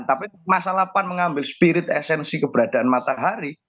tapi masalah pan mengambil spirit esensi keberadaan matahari